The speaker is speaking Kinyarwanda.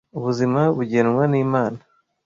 Ubuzima bugenwa n Imana.